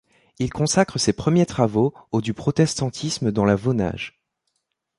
Il consacre ses premiers travaux au du protestantisme dans la Vaunage.